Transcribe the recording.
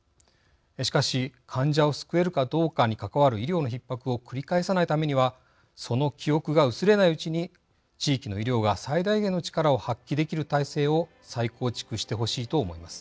しかし、患者を救えるかどうかに関わる医療のひっ迫を繰り返さないためにはその記憶が薄れないうちに地域の医療が最大限の力を発揮できる体制を再構築してほしいと思います。